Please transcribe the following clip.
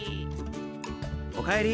おかえり。